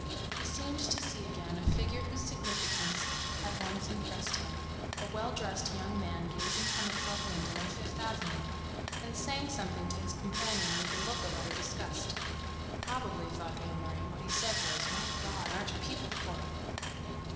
He seemed to see again a figure whose significance had once impressed him—a well dressed young man gazing from a club window on Fifth Avenue and saying something to his companion with a look of utter disgust. Probably, thought Amory, what he said was: "My God! Aren't people horrible!"